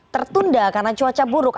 tertunda karena cuaca buruk